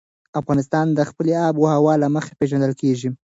افغانستان د خپلې آب وهوا له مخې پېژندل کېږي.